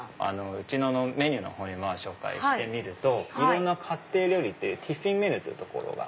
うちのメニューのほう紹介してみるといろんな家庭料理ティフィンメニューってところが。